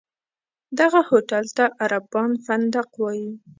دغه هوټل ته عربان فندق وایي.